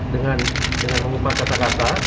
dengan mengutamakan kata kata